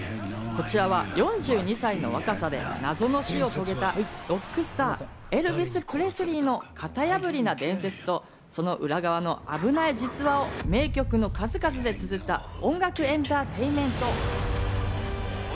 こちらは４２歳の若さで謎の死を遂げたロックスター、エルヴィス・プレスリーの型破りな伝説とその裏側の危ない実話を名曲の数々でつづった音楽エンターテインメント。